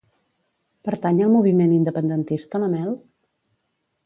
Pertany al moviment independentista la Mel?